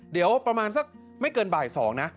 เดี๋ยวประมาณสักไม่เกินบ่าย๒นะ